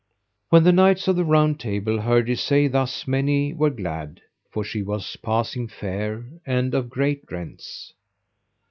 When the knights of the Round Table heard her say thus many were glad, for she was passing fair and of great rents.